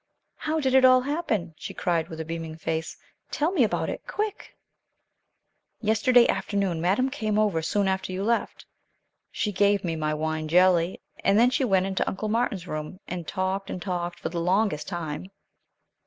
"How did it all happen?" she cried, with a beaming face. "Tell me about it! Quick!" "Yesterday afternoon madame came over soon after you left. She gave me my wine jelly, and then went into Uncle Martin's room, and talked and talked for the longest time.